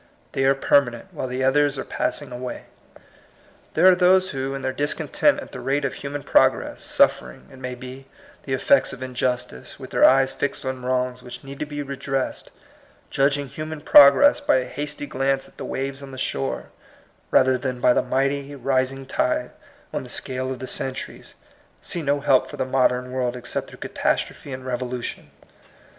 They are permanent, while the others are passing away. There are those who, in their discontent at the rate of human progress, suffering, it may be, the effects of injustice, with their eyes fixed on wrongs which need to be re dressed, judging human progress by a hasty glance at the waves on the shore, rather than by the mighty rising tide on the scale of the centuries, see no help for the modern world except through catastrophe and revo lution.